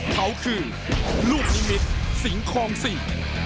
เขาคือลูกนิมิตรสิงคลองสี่